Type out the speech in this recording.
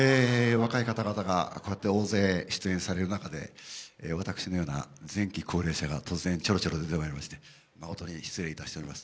若い方々がこうやって大勢出演される中で私のような前期高齢者が突然チョロチョロいたしまして、誠に失礼いたしております。